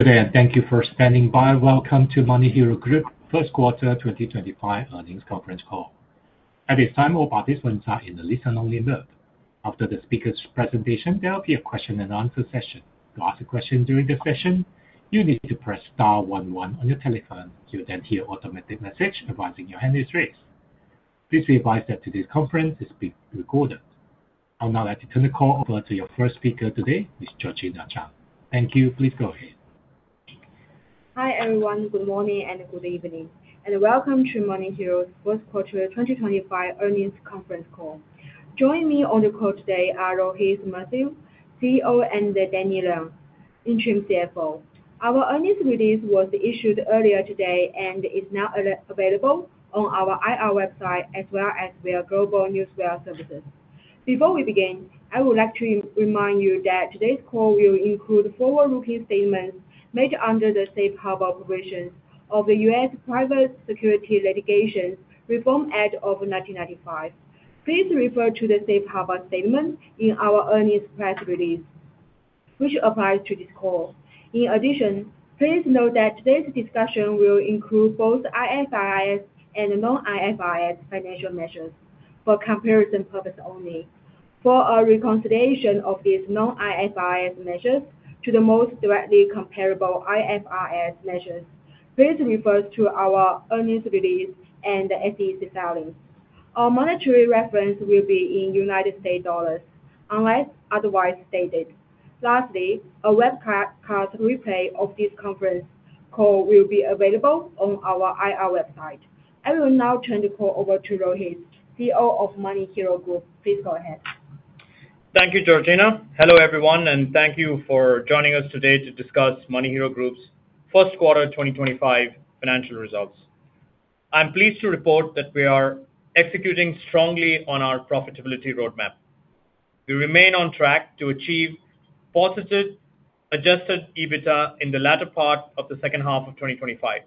Today, and thank you for standing by. Welcome to MoneyHero Group First Quarter 2025 Earnings Conference Call. At this time, all participants are in the listen-only mode. After the speaker's presentation, there will be a question-and-answer session. To ask a question during the session, you need to press star 11 on your telephone. You'll then hear an automatic message advising your hand is raised. Please be advised that today's conference is being recorded. I'll now let you turn the call over to your first speaker today, Ms. Georgina Tan. Thank you. Please go ahead. Hi everyone, good morning and good evening, and welcome to MoneyHero's First Quarter 2025 Earnings Conference Call. Joining me on the call today are Rohith Murthy, CEO, and Danny Leung, Interim CFO. Our earnings release was issued earlier today and is now available on our IR website as well as via GlobeNewswire services. Before we begin, I would like to remind you that today's call will include forward-looking statements made under the safe harbor provisions of the U.S. Private Securities Litigation Reform Act of 1995. Please refer to the safe harbor statements in our earnings press release, which applies to this call. In addition, please note that today's discussion will include both IFRS and non-IFRS financial measures for comparison purposes only. For a reconciliation of these non-IFRS measures to the most directly comparable IFRS measures, please refer to our earnings release and the SEC filings. Our monetary reference will be in United States dollars, unless otherwise stated. Lastly, a webcast replay of this conference call will be available on our IR website. I will now turn the call over to Rohith, CEO of MoneyHero Group. Please go ahead. Thank you, Georgina. Hello, everyone, and thank you for joining us today to discuss MoneyHero Group's first quarter 2025 financial results. I'm pleased to report that we are executing strongly on our profitability roadmap. We remain on track to achieve positive adjusted EBITDA in the latter part of the second half of 2025,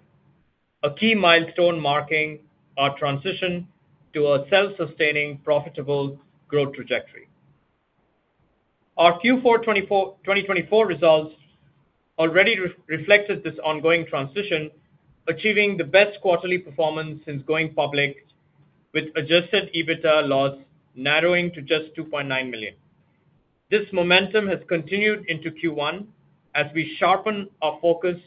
a key milestone marking our transition to a self-sustaining, profitable growth trajectory. Our Q4 2024 results already reflected this ongoing transition, achieving the best quarterly performance since going public, with adjusted EBITDA loss narrowing to just $2.9 million. This momentum has continued into Q1 as we sharpen our focus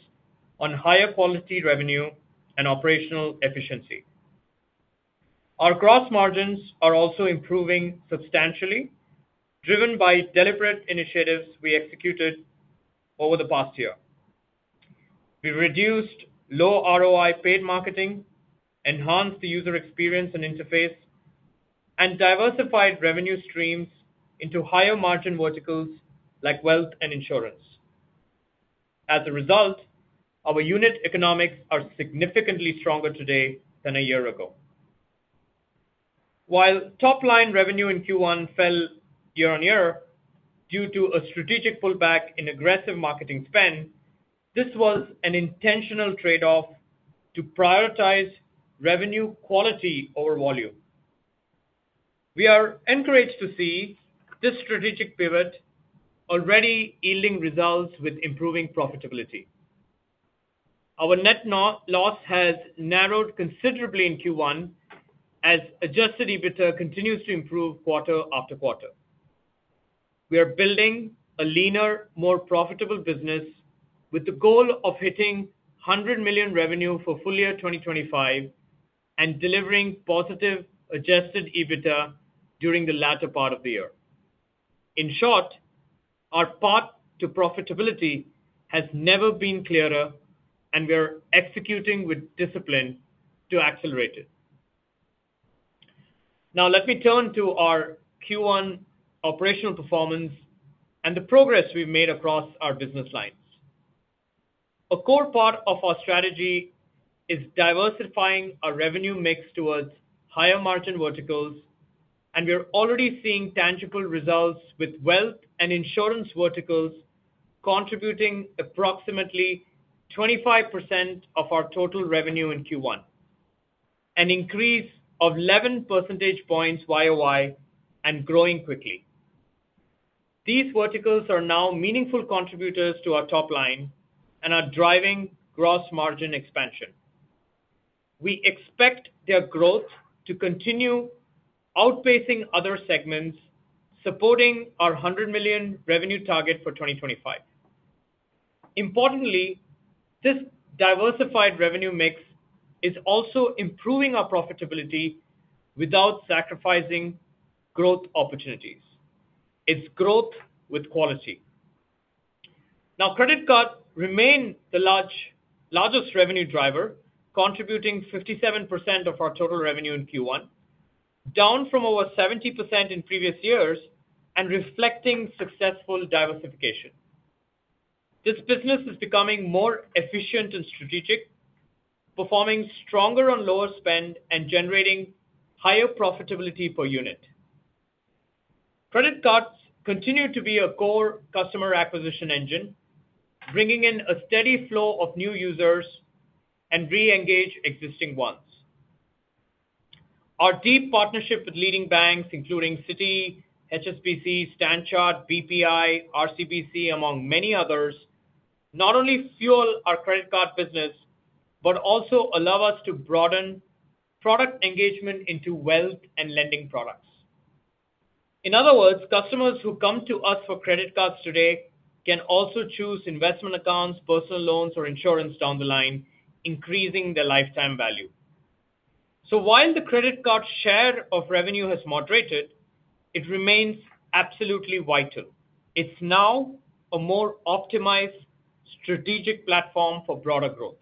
on higher quality revenue and operational efficiency. Our gross margins are also improving substantially, driven by deliberate initiatives we executed over the past year. We reduced low ROI paid marketing, enhanced the user experience and interface, and diversified revenue streams into higher margin verticals like wealth and insurance. As a result, our unit economics are significantly stronger today than a year ago. While top-line revenue in Q1 fell year-on-year due to a strategic pullback in aggressive marketing spend, this was an intentional trade-off to prioritize revenue quality over volume. We are encouraged to see this strategic pivot already yielding results with improving profitability. Our net loss has narrowed considerably in Q1 as adjusted EBITDA continues to improve quarter after quarter. We are building a leaner, more profitable business with the goal of hitting $100 million revenue for full year 2025 and delivering positive adjusted EBITDA during the latter part of the year. In short, our path to profitability has never been clearer, and we are executing with discipline to accelerate it. Now, let me turn to our Q1 operational performance and the progress we've made across our business lines. A core part of our strategy is diversifying our revenue mix towards higher margin verticals, and we are already seeing tangible results with wealth and insurance verticals contributing approximately 25% of our total revenue in Q1, an increase of 11 percentage points year over year, and growing quickly. These verticals are now meaningful contributors to our top line and are driving gross margin expansion. We expect their growth to continue outpacing other segments, supporting our $100 million revenue target for 2025. Importantly, this diversified revenue mix is also improving our profitability without sacrificing growth opportunities. It's growth with quality. Now, credit cards remain the largest revenue driver, contributing 57% of our total revenue in Q1, down from over 70% in previous years and reflecting successful diversification. This business is becoming more efficient and strategic, performing stronger on lower spend and generating higher profitability per unit. Credit cards continue to be a core customer acquisition engine, bringing in a steady flow of new users and re-engaging existing ones. Our deep partnership with leading banks, including Citi, HSBC, Standard Chartered, BPI, RCBC, among many others, not only fuels our credit card business but also allows us to broaden product engagement into wealth and lending products. In other words, customers who come to us for credit cards today can also choose investment accounts, personal loans, or insurance down the line, increasing their lifetime value. While the credit card share of revenue has moderated, it remains absolutely vital. It is now a more optimized strategic platform for broader growth.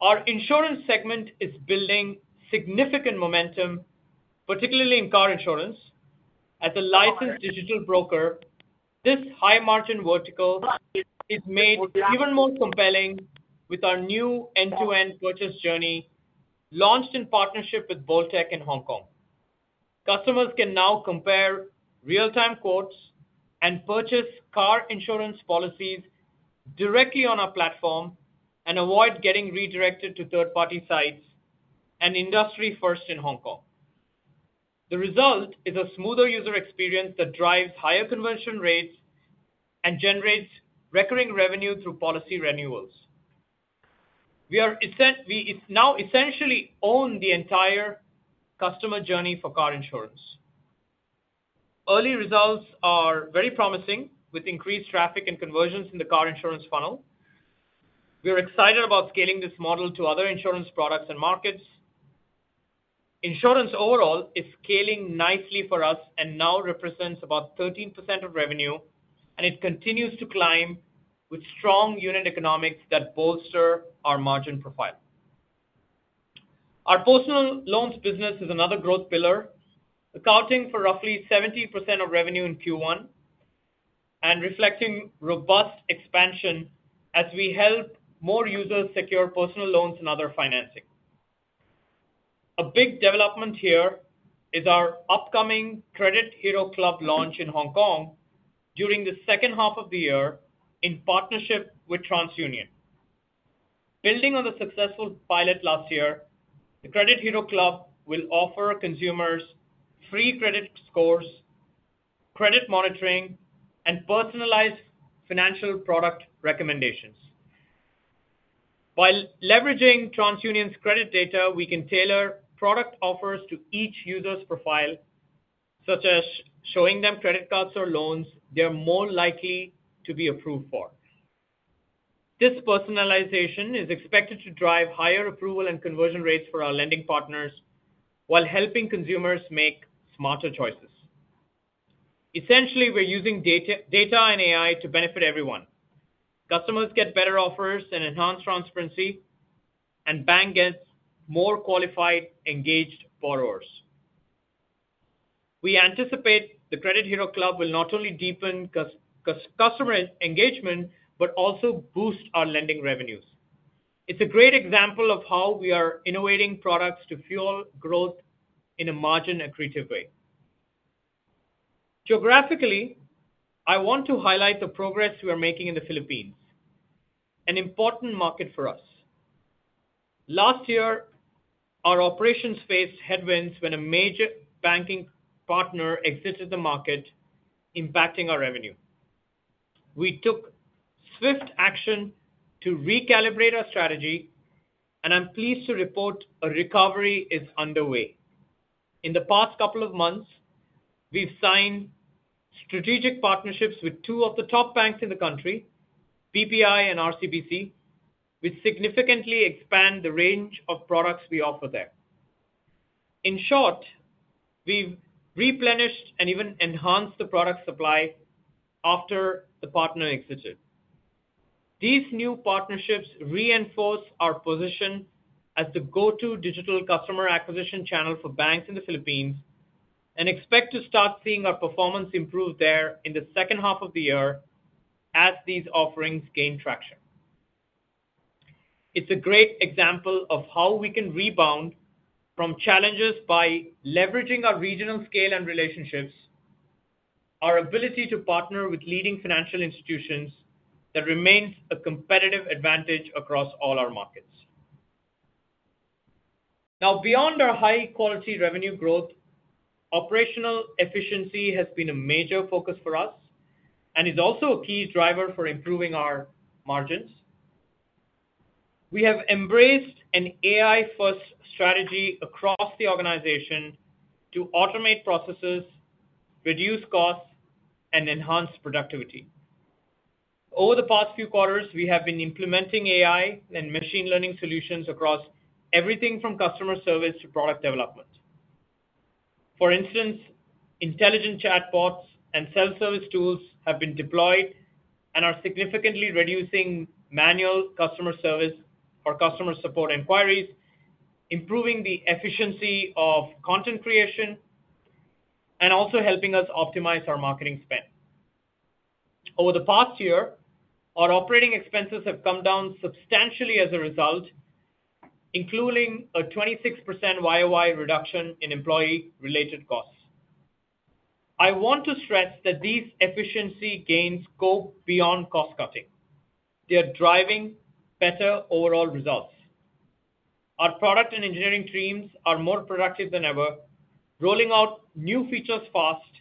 Our insurance segment is building significant momentum, particularly in car insurance. As a licensed digital broker, this high-margin vertical is made even more compelling with our new end-to-end purchase journey launched in partnership with bolttech in Hong Kong. Customers can now compare real-time quotes and purchase car insurance policies directly on our platform and avoid getting redirected to third-party sites. An industry first in Hong Kong. The result is a smoother user experience that drives higher conversion rates and generates recurring revenue through policy renewals. We now essentially own the entire customer journey for car insurance. Early results are very promising with increased traffic and conversions in the car insurance funnel. We are excited about scaling this model to other insurance products and markets. Insurance overall is scaling nicely for us and now represents about 13% of revenue, and it continues to climb with strong unit economics that bolster our margin profile. Our personal loans business is another growth pillar, accounting for roughly 17% of revenue in Q1 and reflecting robust expansion as we help more users secure personal loans and other financing. A big development here is our upcoming Credit Hero Club launch in Hong Kong during the second half of the year in partnership with TransUnion. Building on the successful pilot last year, the Credit Hero Club will offer consumers free credit scores, credit monitoring, and personalized financial product recommendations. By leveraging TransUnion's credit data, we can tailor product offers to each user's profile, such as showing them credit cards or loans they're more likely to be approved for. This personalization is expected to drive higher approval and conversion rates for our lending partners while helping consumers make smarter choices. Essentially, we're using data and AI to benefit everyone. Customers get better offers and enhanced transparency, and banks get more qualified, engaged borrowers. We anticipate the Credit Hero Club will not only deepen customer engagement but also boost our lending revenues. It's a great example of how we are innovating products to fuel growth in a margin-accretive way. Geographically, I want to highlight the progress we are making in the Philippines, an important market for us. Last year, our operations faced headwinds when a major banking partner exited the market, impacting our revenue. We took swift action to recalibrate our strategy, and I'm pleased to report a recovery is underway. In the past couple of months, we've signed strategic partnerships with two of the top banks in the country, BPI and RCBC, which significantly expand the range of products we offer there. In short, we've replenished and even enhanced the product supply after the partner exited. These new partnerships reinforce our position as the go-to digital customer acquisition channel for banks in the Philippines and expect to start seeing our performance improve there in the second half of the year as these offerings gain traction. It's a great example of how we can rebound from challenges by leveraging our regional scale and relationships, our ability to partner with leading financial institutions that remains a competitive advantage across all our markets. Now, beyond our high-quality revenue growth, operational efficiency has been a major focus for us and is also a key driver for improving our margins. We have embraced an AI-first strategy across the organization to automate processes, reduce costs, and enhance productivity. Over the past few quarters, we have been implementing AI and machine learning solutions across everything from customer service to product development. For instance, intelligent chatbots and self-service tools have been deployed and are significantly reducing manual customer service or customer support inquiries, improving the efficiency of content creation and also helping us optimize our marketing spend. Over the past year, our operating expenses have come down substantially as a result, including a 26% year-over-year reduction in employee-related costs. I want to stress that these efficiency gains go beyond cost-cutting. They are driving better overall results. Our product and engineering teams are more productive than ever, rolling out new features fast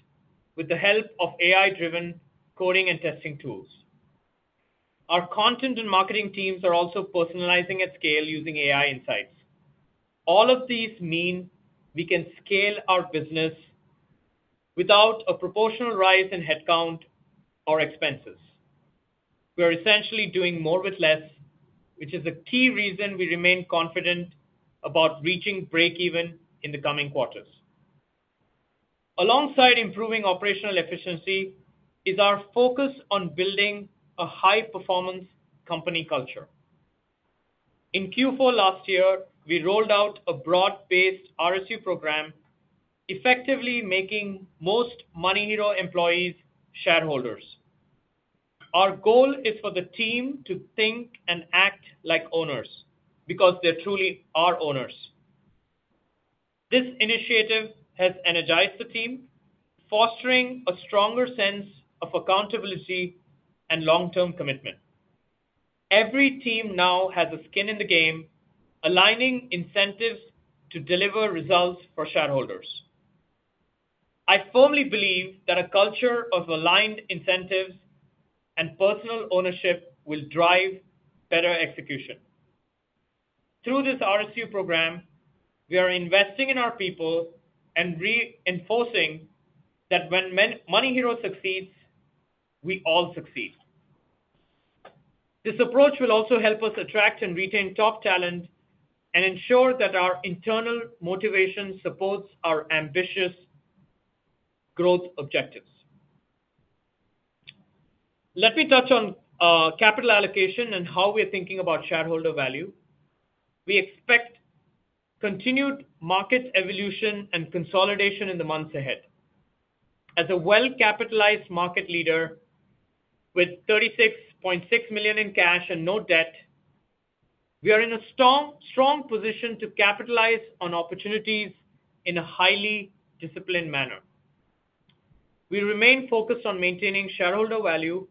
with the help of AI-driven coding and testing tools. Our content and marketing teams are also personalizing at scale using AI insights. All of these mean we can scale our business without a proportional rise in headcount or expenses. We are essentially doing more with less, which is a key reason we remain confident about reaching break-even in the coming quarters. Alongside improving operational efficiency is our focus on building a high-performance company culture. In Q4 last year, we rolled out a broad-based RSU program, effectively making most MoneyHero employees shareholders. Our goal is for the team to think and act like owners because they truly are owners. This initiative has energized the team, fostering a stronger sense of accountability and long-term commitment. Every team now has a skin in the game, aligning incentives to deliver results for shareholders. I firmly believe that a culture of aligned incentives and personal ownership will drive better execution. Through this RSU program, we are investing in our people and reinforcing that when MoneyHero succeeds, we all succeed. This approach will also help us attract and retain top talent and ensure that our internal motivation supports our ambitious growth objectives. Let me touch on capital allocation and how we're thinking about shareholder value. We expect continued market evolution and consolidation in the months ahead. As a well-capitalized market leader with $36.6 million in cash and no debt, we are in a strong position to capitalize on opportunities in a highly disciplined manner. We remain focused on maintaining shareholder value,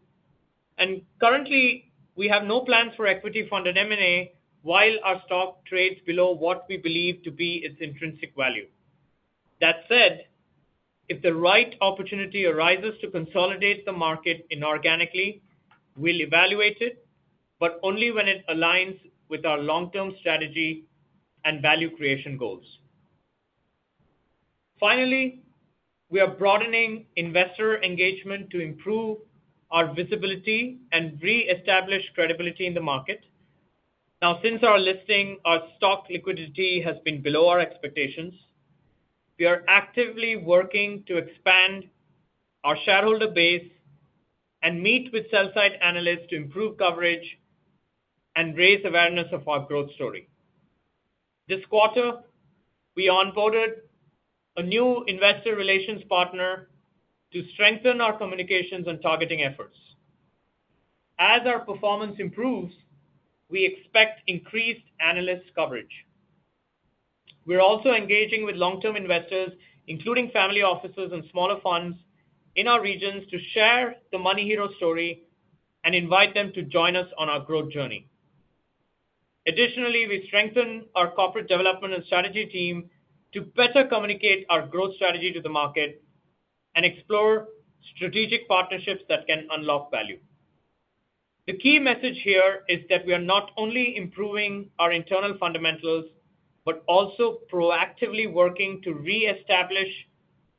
and currently, we have no plans for equity-funded M&A while our stock trades below what we believe to be its intrinsic value. That said, if the right opportunity arises to consolidate the market inorganically, we'll evaluate it, but only when it aligns with our long-term strategy and value creation goals. Finally, we are broadening investor engagement to improve our visibility and re-establish credibility in the market. Now, since our listing, our stock liquidity has been below our expectations. We are actively working to expand our shareholder base and meet with sell-side analysts to improve coverage and raise awareness of our growth story. This quarter, we onboarded a new investor relations partner to strengthen our communications and targeting efforts. As our performance improves, we expect increased analyst coverage. We're also engaging with long-term investors, including family offices and smaller funds in our regions, to share the MoneyHero story and invite them to join us on our growth journey. Additionally, we strengthen our corporate development and strategy team to better communicate our growth strategy to the market and explore strategic partnerships that can unlock value. The key message here is that we are not only improving our internal fundamentals but also proactively working to re-establish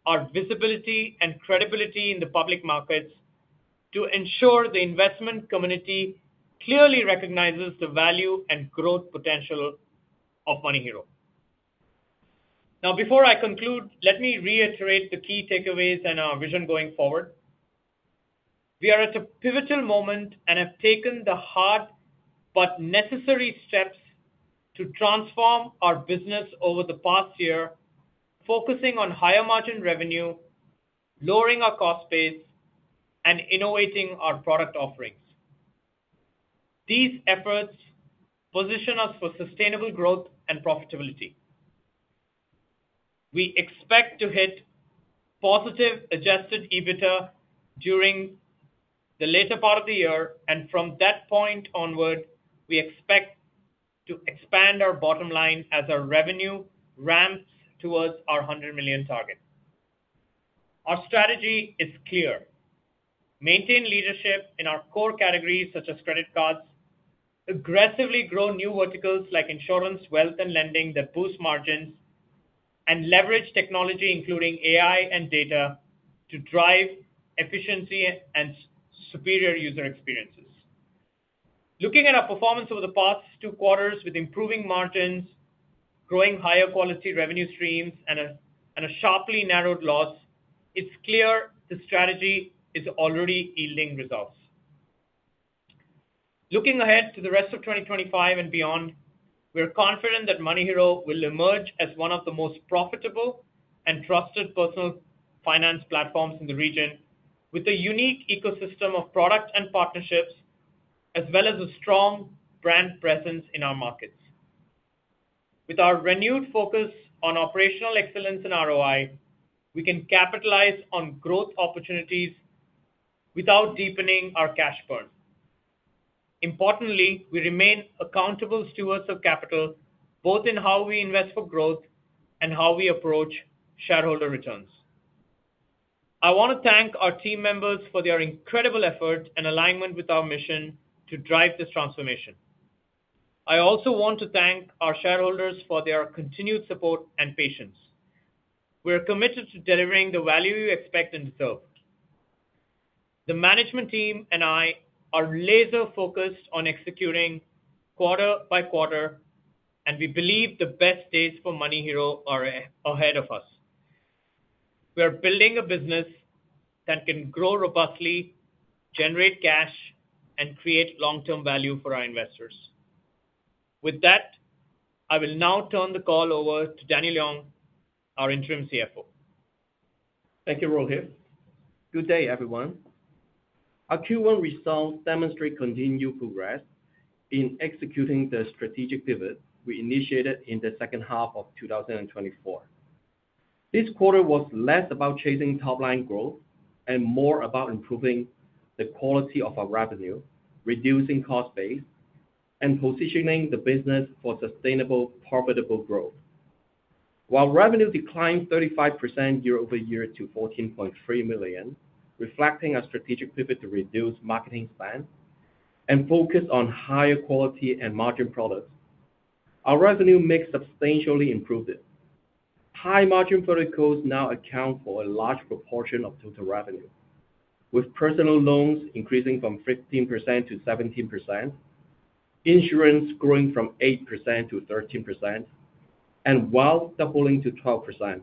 our visibility and credibility in the public markets to ensure the investment community clearly recognizes the value and growth potential of MoneyHero. Now, before I conclude, let me reiterate the key takeaways and our vision going forward. We are at a pivotal moment and have taken the hard but necessary steps to transform our business over the past year, focusing on higher margin revenue, lowering our cost base, and innovating our product offerings. These efforts position us for sustainable growth and profitability. We expect to hit positive adjusted EBITDA during the later part of the year, and from that point onward, we expect to expand our bottom line as our revenue ramps towards our $100 million target. Our strategy is clear: maintain leadership in our core categories such as credit cards, aggressively grow new verticals like insurance, wealth, and lending that boost margins, and leverage technology including AI and data to drive efficiency and superior user experiences. Looking at our performance over the past two quarters with improving margins, growing higher quality revenue streams, and a sharply narrowed loss, it's clear the strategy is already yielding results. Looking ahead to the rest of 2025 and beyond, we're confident that MoneyHero will emerge as one of the most profitable and trusted personal finance platforms in the region with a unique ecosystem of product and partnerships, as well as a strong brand presence in our markets. With our renewed focus on operational excellence and ROI, we can capitalize on growth opportunities without deepening our cash burn. Importantly, we remain accountable stewards of capital both in how we invest for growth and how we approach shareholder returns. I want to thank our team members for their incredible effort and alignment with our mission to drive this transformation. I also want to thank our shareholders for their continued support and patience. We are committed to delivering the value you expect and deserve. The management team and I are laser-focused on executing quarter by quarter, and we believe the best days for MoneyHero are ahead of us. We are building a business that can grow robustly, generate cash, and create long-term value for our investors. With that, I will now turn the call over to Daniel Leung, our Interim CFO. Thank you, Rohith. Good day, everyone. Our Q1 results demonstrate continued progress in executing the strategic pivot we initiated in the second half of 2024. This quarter was less about chasing top-line growth and more about improving the quality of our revenue, reducing cost base, and positioning the business for sustainable, profitable growth. While revenue declined 35% year-over-year to $14.3 million, reflecting our strategic pivot to reduce marketing spend and focus on higher quality and margin products, our revenue mix substantially improved. High-margin verticals now account for a large proportion of total revenue, with personal loans increasing from 15% to 17%, insurance growing from 8% to 13%, and wealth doubling to 12%,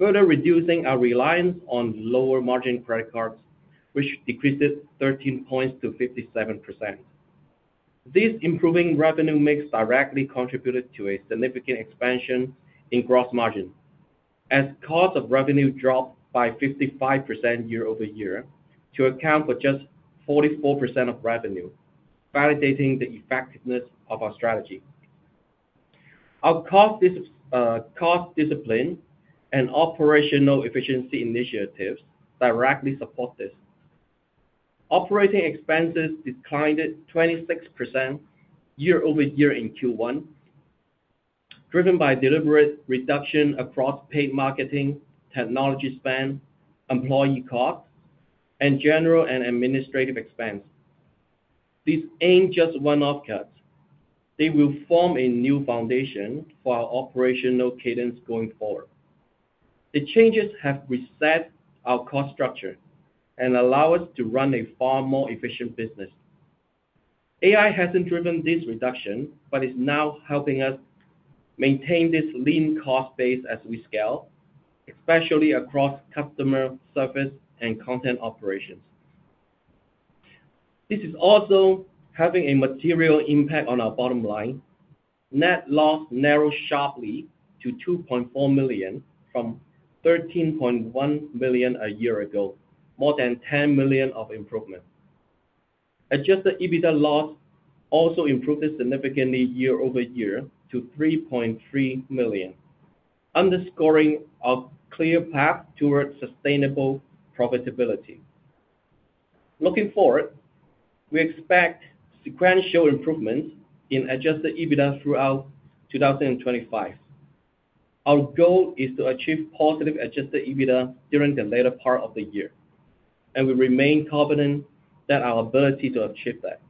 further reducing our reliance on lower-margin credit cards, which decreased 13 percentage points to 57%. This improving revenue mix directly contributed to a significant expansion in gross margin, as cost of revenue dropped by 55% year-over-year to account for just 44% of revenue, validating the effectiveness of our strategy. Our cost discipline and operational efficiency initiatives directly support this. Operating expenses declined 26% year-over-year in Q1, driven by deliberate reduction across paid marketing, technology spend, employee costs, and general and administrative expense. These ain't just one-off cuts. They will form a new foundation for our operational cadence going forward. The changes have reset our cost structure and allow us to run a far more efficient business. AI hasn't driven this reduction but is now helping us maintain this lean cost base as we scale, especially across customer service and content operations. This is also having a material impact on our bottom line. Net loss narrowed sharply to $2.4 million from $13.1 million a year ago, more than $10 million of improvement. Adjusted EBITDA loss also improved significantly year-over-year to $3.3 million, underscoring our clear path towards sustainable profitability. Looking forward, we expect sequential improvements in adjusted EBITDA throughout 2025. Our goal is to achieve positive adjusted EBITDA during the later part of the year, and we remain confident in our ability to achieve that.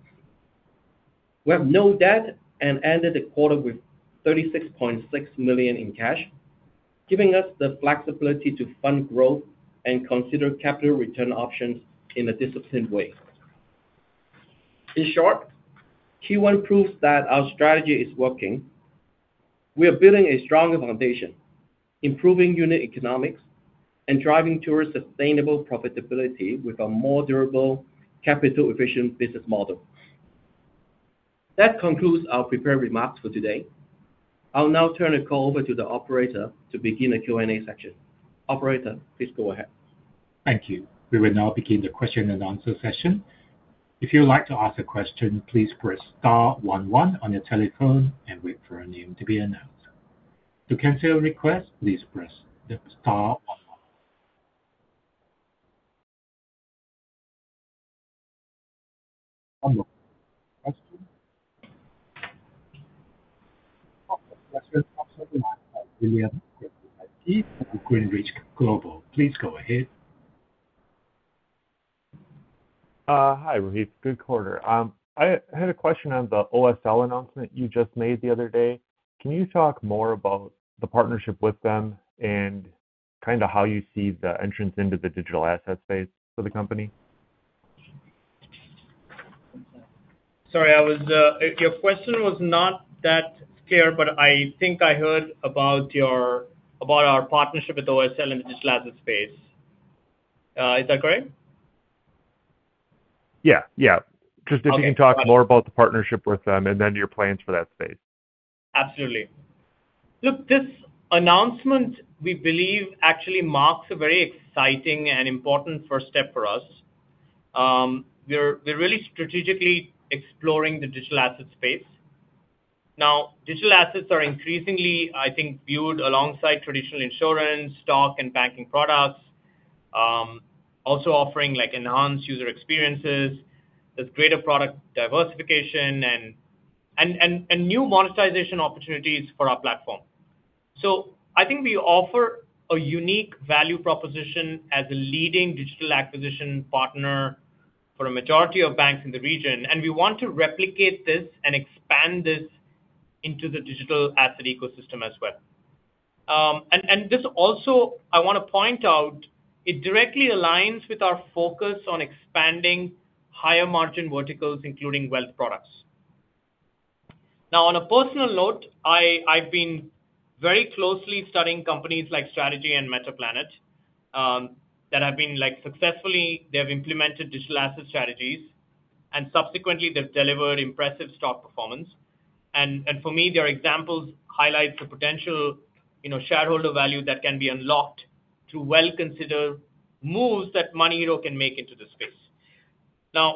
We have no debt and ended the quarter with $36.6 million in cash, giving us the flexibility to fund growth and consider capital return options in a disciplined way. In short, Q1 proves that our strategy is working. We are building a stronger foundation, improving unit economics, and driving towards sustainable profitability with a more durable, capital-efficient business model. That concludes our prepared remarks for today. I'll now turn the call over to the Operator to begin a Q&A session. Operator, please go ahead. Thank you. We will now begin the question-and-answer session. If you would like to ask a question, please press *11 on your telephone and wait for your name to be announced. To cancel requests, please press *11. Hi, Rohith. Good quarter. I had a question on the OSL announcement you just made the other day. Can you talk more about the partnership with them and kind of how you see the entrance into the digital asset space for the company? Sorry, your question was not that clear, but I think I heard about our partnership with OSL in the digital asset space. Is that correct? Yeah, yeah. Just if you can talk more about the partnership with them and then your plans for that space. Absolutely. Look, this announcement, we believe, actually marks a very exciting and important first step for us. We're really strategically exploring the digital asset space. Now, digital assets are increasingly, I think, viewed alongside traditional insurance, stock, and banking products, also offering enhanced user experiences, there's greater product diversification, and new monetization opportunities for our platform. I think we offer a unique value proposition as a leading digital acquisition partner for a majority of banks in the region, and we want to replicate this and expand this into the digital asset ecosystem as well. This also, I want to point out, it directly aligns with our focus on expanding higher-margin verticals, including wealth products. Now, on a personal note, I've been very closely studying companies like MicroStrategy and Metaplanet that have been successfully implementing digital asset strategies, and subsequently, they've delivered impressive stock performance. For me, their examples highlight the potential shareholder value that can be unlocked through well-considered moves that MoneyHero can make into the space.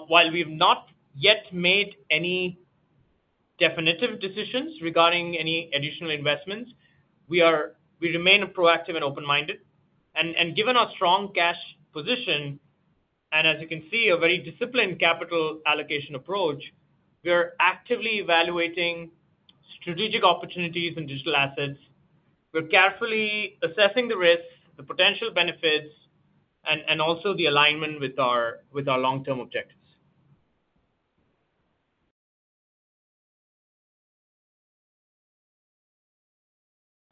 While we've not yet made any definitive decisions regarding any additional investments, we remain proactive and open-minded. Given our strong cash position and, as you can see, a very disciplined capital allocation approach, we're actively evaluating strategic opportunities in digital assets. We're carefully assessing the risks, the potential benefits, and also the alignment with our long-term objectives.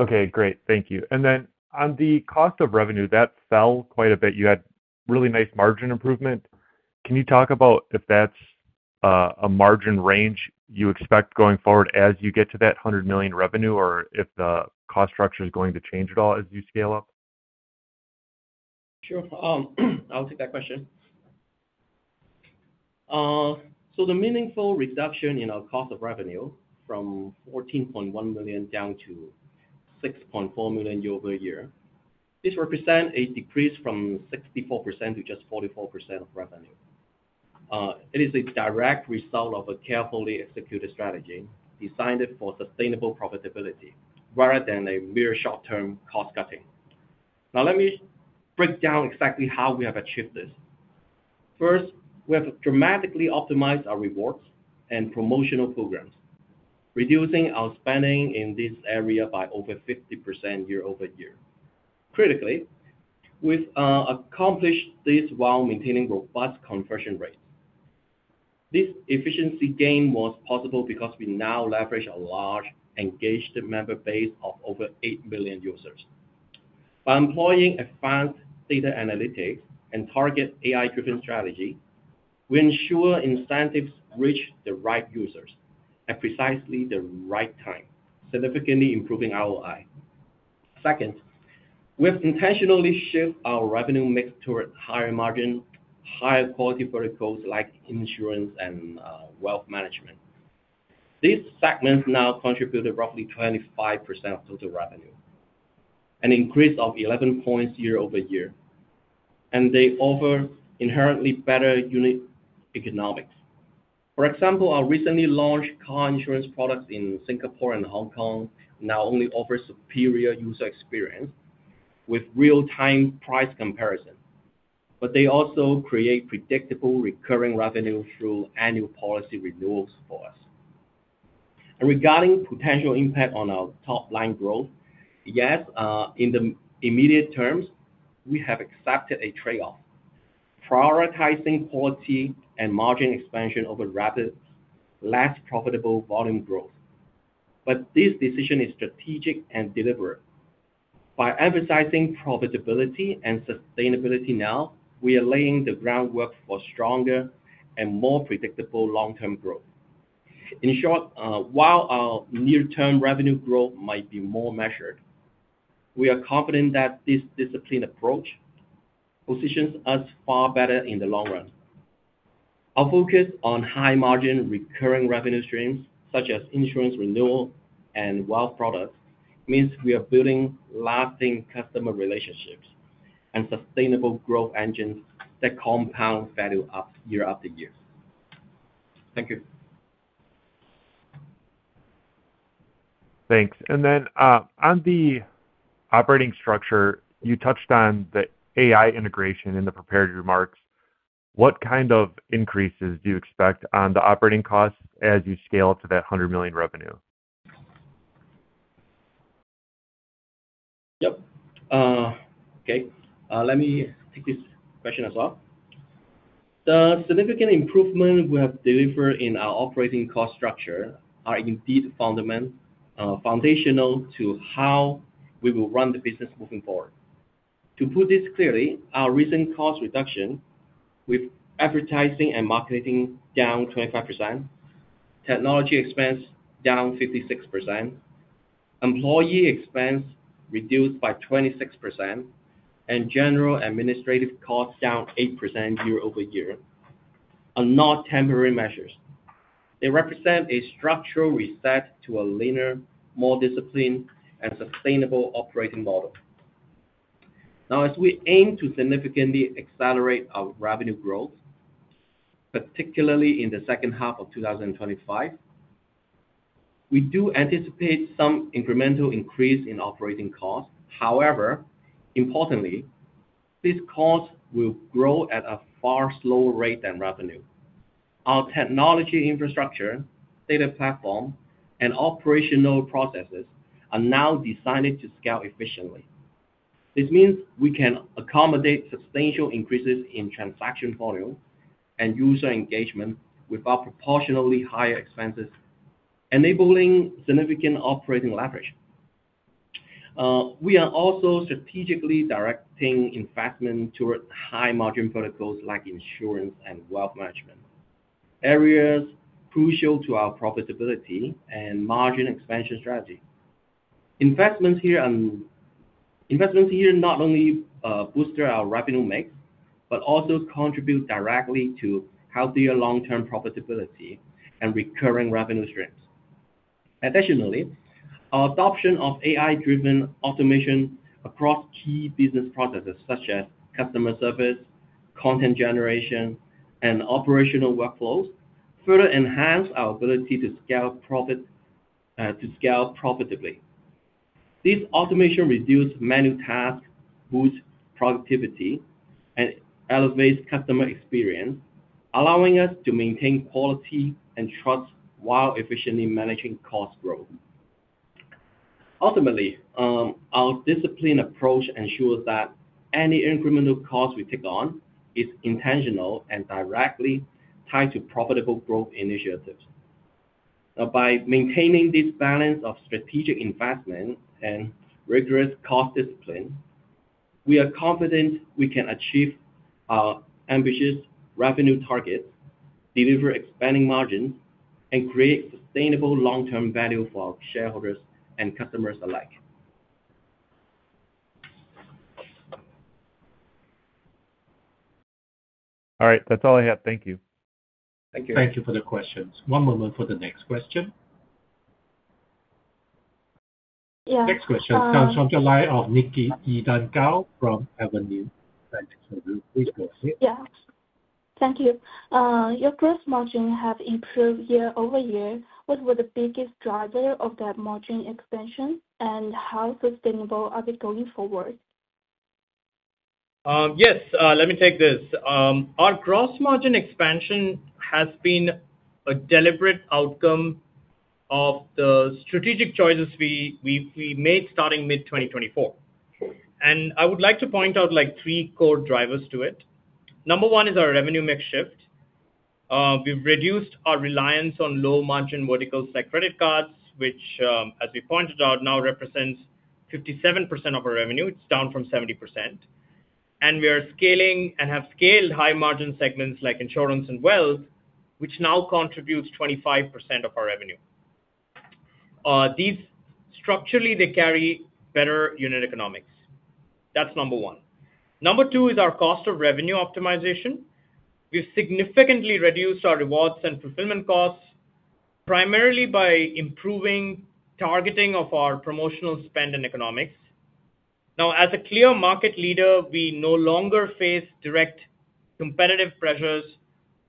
Okay, great. Thank you. Then on the cost of revenue, that fell quite a bit. You had really nice margin improvement. Can you talk about if that's a margin range you expect going forward as you get to that $100 million revenue or if the cost structure is going to change at all as you scale up? Sure. I'll take that question. The meaningful reduction in our cost of revenue from $14.1 million down to $6.4 million year-over-year represents a decrease from 64% to just 44% of revenue. It is a direct result of a carefully executed strategy designed for sustainable profitability rather than a mere short-term cost cutting. Now, let me break down exactly how we have achieved this. First, we have dramatically optimized our rewards and promotional programs, reducing our spending in this area by over 50% year-over-year. Critically, we've accomplished this while maintaining robust conversion rates. This efficiency gain was possible because we now leverage a large, engaged member base of over 8 million users. By employing advanced data analytics and targeted AI-driven strategy, we ensure incentives reach the right users at precisely the right time, significantly improving ROI. Second, we've intentionally shifted our revenue mix towards higher-margin, higher-quality verticals like insurance and wealth management. These segments now contribute roughly 25% of total revenue, an increase of 11 percentage points year-over-year, and they offer inherently better unit economics. For example, our recently launched car insurance products in Singapore and Hong Kong not only offer superior user experience with real-time price comparison, but they also create predictable recurring revenue through annual policy renewals for us. Regarding potential impact on our top-line growth, yes, in the immediate term, we have accepted a trade-off, prioritizing quality and margin expansion over rapid, less profitable volume growth. This decision is strategic and deliberate. By emphasizing profitability and sustainability now, we are laying the groundwork for stronger and more predictable long-term growth. In short, while our near-term revenue growth might be more measured, we are confident that this disciplined approach positions us far better in the long run. Our focus on high-margin recurring revenue streams, such as insurance renewal and wealth products, means we are building lasting customer relationships and sustainable growth engines that compound value up year after year. Thank you. Thanks. And then on the operating structure, you touched on the AI integration in the prepared remarks. What kind of increases do you expect on the operating costs as you scale up to that $100 million revenue? Yep. Okay. Let me take this question as well. The significant improvement we have delivered in our operating cost structure are indeed foundational to how we will run the business moving forward. To put this clearly, our recent cost reduction with advertising and marketing down 25%, technology expense down 56%, employee expense reduced by 26%, and general administrative costs down 8% year-over-year are not temporary measures. They represent a structural reset to a leaner, more disciplined, and sustainable operating model. Now, as we aim to significantly accelerate our revenue growth, particularly in the second half of 2025, we do anticipate some incremental increase in operating costs. However, importantly, these costs will grow at a far slower rate than revenue. Our technology infrastructure, data platform, and operational processes are now designed to scale efficiently. This means we can accommodate substantial increases in transaction volume and user engagement without proportionally higher expenses, enabling significant operating leverage. We are also strategically directing investment toward high-margin verticals like insurance and wealth management, areas crucial to our profitability and margin expansion strategy. Investments here not only boost our revenue mix but also contribute directly to healthier long-term profitability and recurring revenue streams. Additionally, our adoption of AI-driven automation across key business processes such as customer service, content generation, and operational workflows further enhances our ability to scale profitably. These automations reduce manual tasks, boost productivity, and elevate customer experience, allowing us to maintain quality and trust while efficiently managing cost growth. Ultimately, our disciplined approach ensures that any incremental cost we take on is intentional and directly tied to profitable growth initiatives. Now, by maintaining this balance of strategic investment and rigorous cost discipline, we are confident we can achieve our ambitious revenue targets, deliver expanding margins, and create sustainable long-term value for our shareholders and customers alike. All right. That's all I have. Thank you. Thank you. Thank you for the questions. One moment for the next question. Yeah. Next question comes from Nikki Edandao from Avenue. Thank you for the readership. Yeah. Thank you. Your gross margin has improved year-over-year. What were the biggest drivers of that margin expansion, and how sustainable are we going forward? Yes. Let me take this. Our gross margin expansion has been a deliberate outcome of the strategic choices we made starting mid-2024. I would like to point out three core drivers to it. Number one is our revenue mix shift. We've reduced our reliance on low-margin verticals like credit cards, which, as we pointed out, now represents 57% of our revenue. It's down from 70%. We are scaling and have scaled high-margin segments like insurance and wealth, which now contributes 25% of our revenue. These structurally, they carry better unit economics. That's number one. Number two is our cost of revenue optimization. We've significantly reduced our rewards and fulfillment costs primarily by improving targeting of our promotional spend and economics. Now, as a clear market leader, we no longer face direct competitive pressures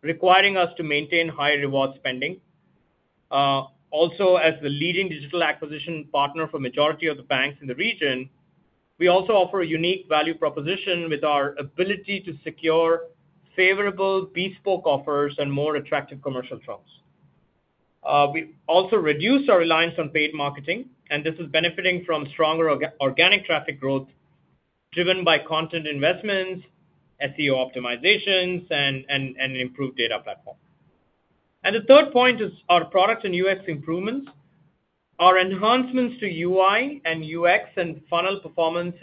requiring us to maintain high reward spending. Also, as the leading digital acquisition partner for the majority of the banks in the region, we also offer a unique value proposition with our ability to secure favorable bespoke offers and more attractive commercial terms. We also reduced our reliance on paid marketing, and this is benefiting from stronger organic traffic growth driven by content investments, SEO optimizations, and an improved data platform. The third point is our product and UX improvements. Our enhancements to UI and UX and funnel performance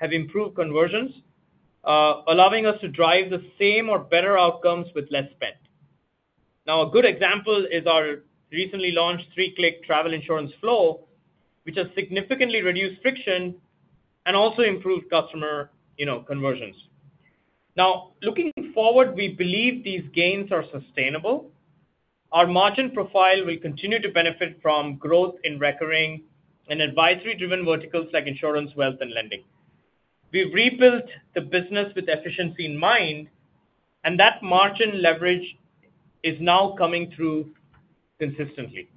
have improved conversions, allowing us to drive the same or better outcomes with less spend. A good example is our recently launched Three Click Travel Insurance Flow, which has significantly reduced friction and also improved customer conversions. Looking forward, we believe these gains are sustainable. Our margin profile will continue to benefit from growth in recurring and advisory-driven verticals like insurance, wealth, and lending. We've rebuilt the business with efficiency in mind, and that margin leverage is now coming through consistently.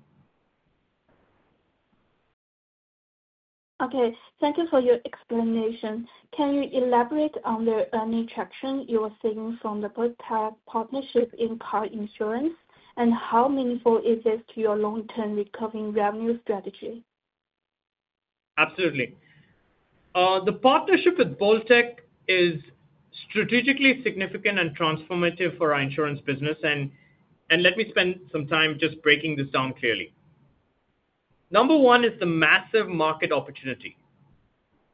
Okay. Thank you for your explanation. Can you elaborate on the earning traction you are seeing from the Bolttech partnership in car insurance, and how meaningful is this to your long-term recovering revenue strategy? Absolutely. The partnership with Bolttech is strategically significant and transformative for our insurance business. Let me spend some time just breaking this down clearly. Number one is the massive market opportunity.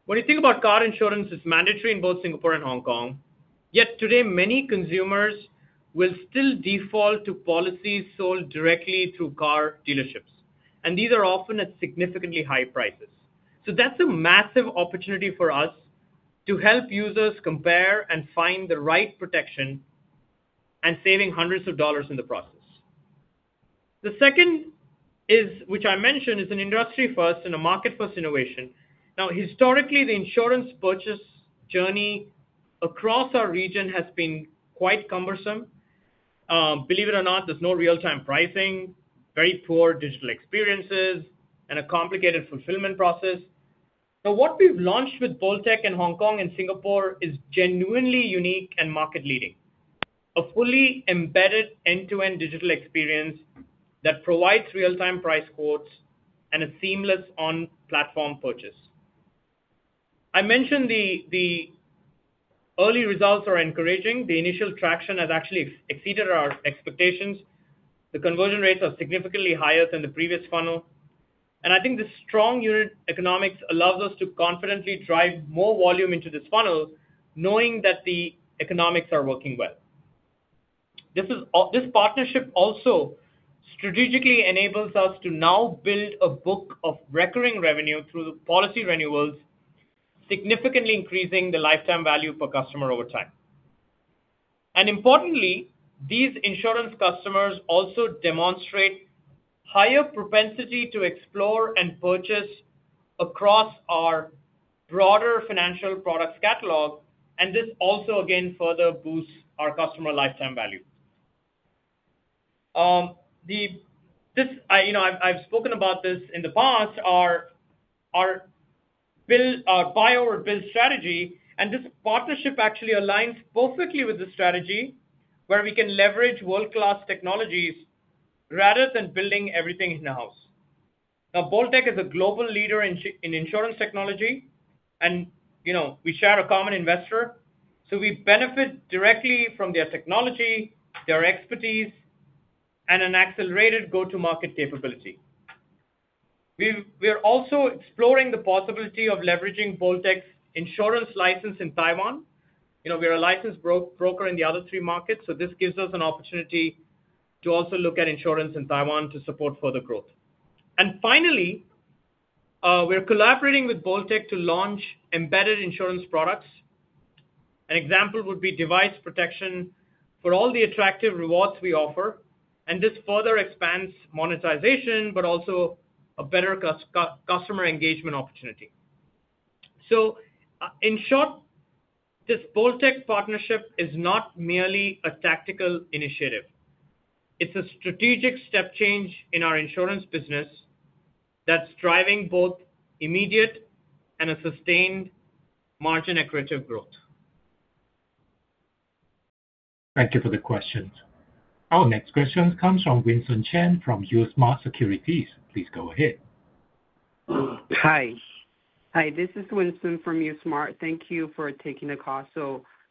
When you think about car insurance, it is mandatory in both Singapore and Hong Kong. Yet today, many consumers will still default to policies sold directly through car dealerships. These are often at significantly high prices. That is a massive opportunity for us to help users compare and find the right protection and save hundreds of dollars in the process. The second, which I mentioned, is an industry-first and a market-first innovation. Historically, the insurance purchase journey across our region has been quite cumbersome. Believe it or not, there is no real-time pricing, very poor digital experiences, and a complicated fulfillment process. Now, what we've launched with Bolttech in Hong Kong and Singapore is genuinely unique and market-leading: a fully embedded end-to-end digital experience that provides real-time price quotes and a seamless on-platform purchase. I mentioned the early results are encouraging. The initial traction has actually exceeded our expectations. The conversion rates are significantly higher than the previous funnel. I think the strong unit economics allows us to confidently drive more volume into this funnel, knowing that the economics are working well. This partnership also strategically enables us to now build a book of recurring revenue through the policy renewals, significantly increasing the lifetime value per customer over time. Importantly, these insurance customers also demonstrate a higher propensity to explore and purchase across our broader financial products catalog. This also, again, further boosts our customer lifetime value. I've spoken about this in the past, our buy-over-bid strategy. This partnership actually aligns perfectly with the strategy where we can leverage world-class technologies rather than building everything in-house. Now, Bolttech is a global leader in insurance technology, and we share a common investor. We benefit directly from their technology, their expertise, and an accelerated go-to-market capability. We are also exploring the possibility of leveraging Bolttech's insurance license in Taiwan. We are a licensed broker in the other three markets, so this gives us an opportunity to also look at insurance in Taiwan to support further growth. Finally, we are collaborating with Bolttech to launch embedded insurance products. An example would be device protection for all the attractive rewards we offer. This further expands monetization but also a better customer engagement opportunity. In short, this Bolttech partnership is not merely a tactical initiative. It's a strategic step change in our insurance business that's driving both immediate and sustained margin accurate growth. Thank you for the questions. Our next question comes from Winson Chen from USmart Securities. Please go ahead. Hi. This is Winson from USmart. Thank you for taking the call.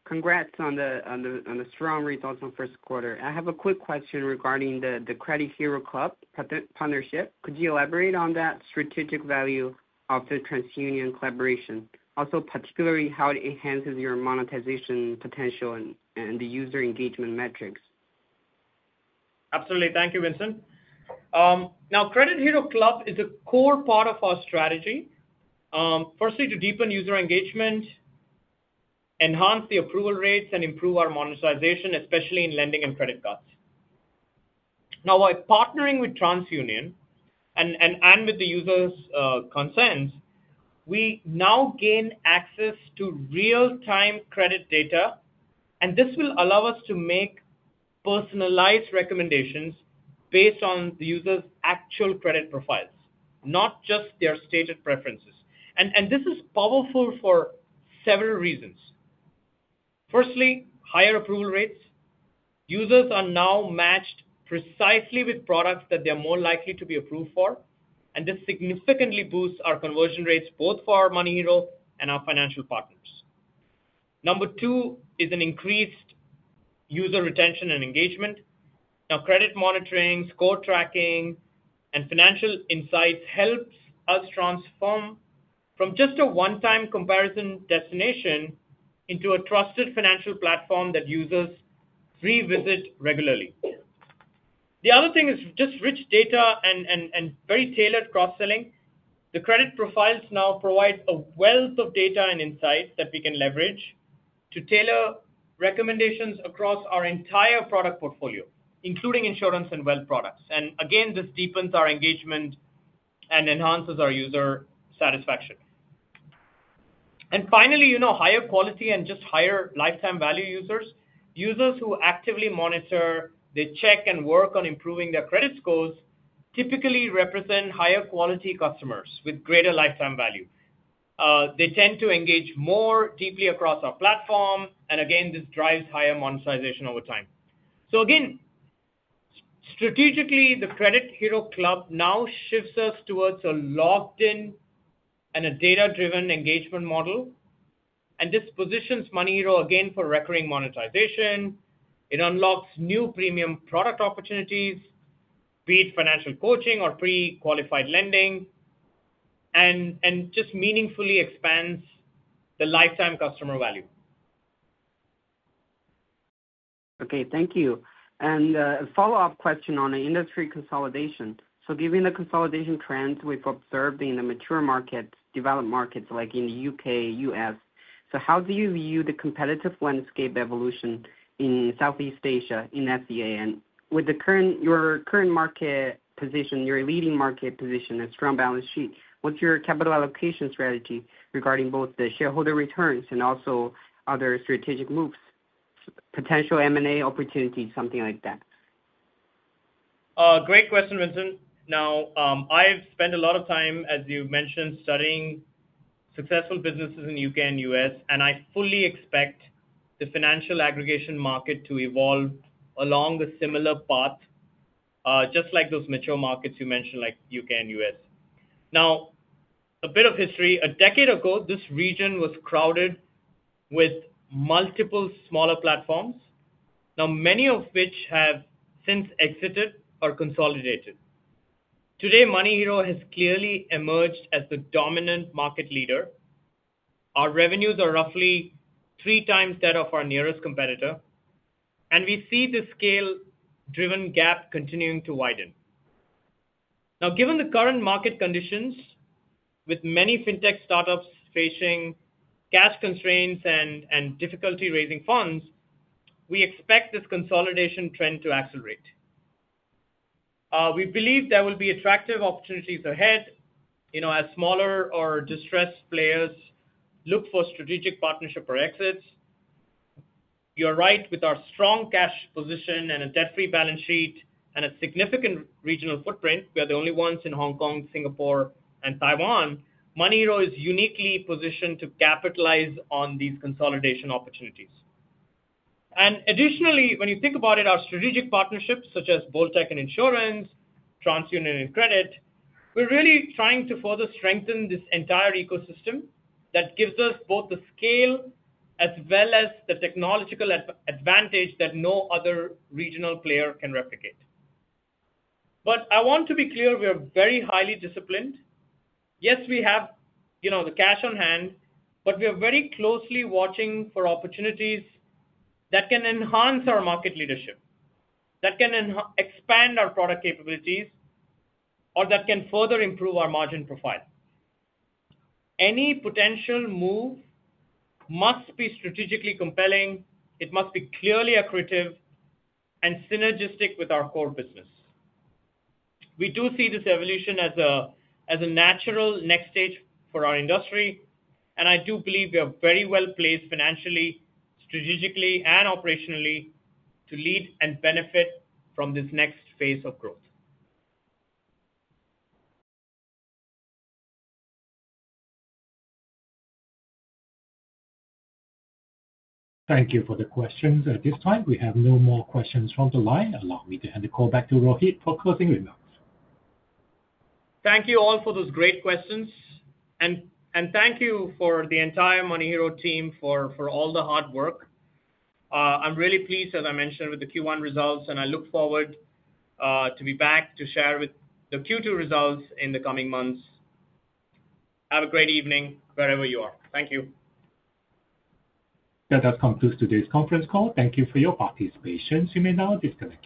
Congrats on the strong results in the first quarter. I have a quick question regarding the Credit Hero Club partnership. Could you elaborate on that strategic value of the TransUnion collaboration, also particularly how it enhances your monetization potential and the user engagement metrics? Absolutely. Thank you, Winson. Now, Credit Hero Club is a core part of our strategy, firstly, to deepen user engagement, enhance the approval rates, and improve our monetization, especially in lending and credit cards. By partnering with TransUnion and with the users' consents, we now gain access to real-time credit data. This will allow us to make personalized recommendations based on the users' actual credit profiles, not just their stated preferences. This is powerful for several reasons. Firstly, higher approval rates. Users are now matched precisely with products that they're more likely to be approved for. This significantly boosts our conversion rates both for our MoneyHero and our financial partners. Number two is an increased user retention and engagement. Credit monitoring, score tracking, and financial insights help us transform from just a one-time comparison destination into a trusted financial platform that users revisit regularly. The other thing is just rich data and very tailored cross-selling. The credit profiles now provide a wealth of data and insights that we can leverage to tailor recommendations across our entire product portfolio, including insurance and wealth products. This deepens our engagement and enhances our user satisfaction. Finally, higher quality and just higher lifetime value users. Users who actively monitor, they check, and work on improving their credit scores typically represent higher quality customers with greater lifetime value. They tend to engage more deeply across our platform. This drives higher monetization over time. Strategically, the Credit Hero Club now shifts us towards a locked-in and a data-driven engagement model. This positions MoneyHero for recurring monetization. It unlocks new premium product opportunities, be it financial coaching or pre-qualified lending, and just meaningfully expands the lifetime customer value. Okay. Thank you. A follow-up question on the industry consolidation. Given the consolidation trends we've observed in the mature markets, developed markets like in the U.K., U.S., how do you view the competitive landscape evolution in Southeast Asia, in SEA? With your current market position, your leading market position, a strong balance sheet, what's your capital allocation strategy regarding both the shareholder returns and also other strategic moves, potential M&A opportunities, something like that? Great question, Winson. Now, I've spent a lot of time, as you mentioned, studying successful businesses in the U.K. and U.S., and I fully expect the financial aggregation market to evolve along a similar path, just like those mature markets you mentioned, like U.K. and U.S. Now, a bit of history. A decade ago, this region was crowded with multiple smaller platforms, now many of which have since exited or consolidated. Today, MoneyHero has clearly emerged as the dominant market leader. Our revenues are roughly three times that of our nearest competitor. We see the scale-driven gap continuing to widen. Now, given the current market conditions, with many fintech startups facing cash constraints and difficulty raising funds, we expect this consolidation trend to accelerate. We believe there will be attractive opportunities ahead as smaller or distressed players look for strategic partnership or exits. You're right. With our strong cash position and a debt-free balance sheet and a significant regional footprint, we are the only ones in Hong Kong, Singapore, and Taiwan. MoneyHero is uniquely positioned to capitalize on these consolidation opportunities. Additionally, when you think about it, our strategic partnerships such as Bolttech and insurance, TransUnion and Credit, we're really trying to further strengthen this entire ecosystem that gives us both the scale as well as the technological advantage that no other regional player can replicate. I want to be clear, we are very highly disciplined. Yes, we have the cash on hand, but we are very closely watching for opportunities that can enhance our market leadership, that can expand our product capabilities, or that can further improve our margin profile. Any potential move must be strategically compelling. It must be clearly accretive and synergistic with our core business. We do see this evolution as a natural next stage for our industry. I do believe we are very well placed financially, strategically, and operationally to lead and benefit from this next phase of growth. Thank you for the questions. At this time, we have no more questions from the line. Allow me to hand the call back to Rohith for closing remarks. Thank you all for those great questions. Thank you for the entire MoneyHero team for all the hard work. I'm really pleased, as I mentioned, with the Q1 results. I look forward to be back to share with the Q2 results in the coming months. Have a great evening wherever you are. Thank you. That does conclude today's conference call. Thank you for your participation. You may now disconnect.